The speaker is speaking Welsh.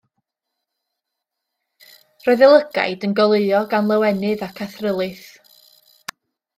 Roedd ei lygaid yn goleuo gan lawenydd ac athrylith.